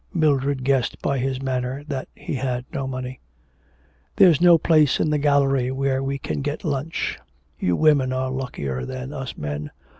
Mildred guessed by his manner that he had no money. 'There's no place in the gallery where we can get lunch you women are luckier than us men.